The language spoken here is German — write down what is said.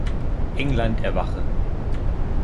England erwache!